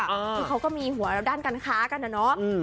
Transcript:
คือเขาก็มีหัวเราด้านการค้ากันนะเนาะ